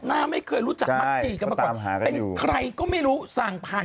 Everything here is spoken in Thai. น่าไม่เคยรู้จักใช่ก็ตามหาก็อยู่ใครก็ไม่รู้สั่งผ่าน